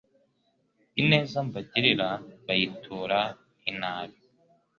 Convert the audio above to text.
Ineza mbagirira bayitura inabi